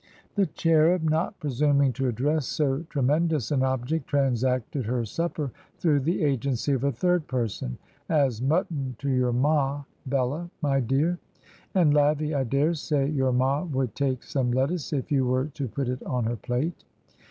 ... The cherub not presimiing to address so tre mendous an object, transacted her supper through the agency of a third person, as 'Mutton to your ma, Bella, my dear;' and ' Lawy, I dare say your ma would take some lettuce if you were to put it on her plate.'